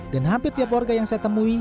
dan hampir tiap warga yang saya temui